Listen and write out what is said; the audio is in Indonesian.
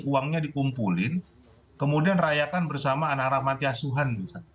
uangnya dikumpulin kemudian rayakan bersama anak rahmatnya suhan